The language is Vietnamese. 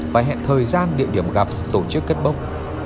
và hẹn thời gian địa điểm gặp tổ chức cất bốc